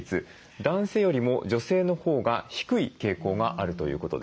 男性よりも女性のほうが低い傾向があるということです。